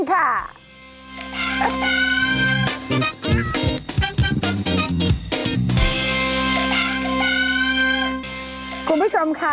คุณผู้ชมค่ะ